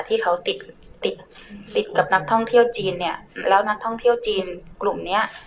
ที่เขาติดติดกับนักท่องเที่ยวจีนเนี่ยแล้วนักท่องเที่ยวจีนกลุ่มเนี้ย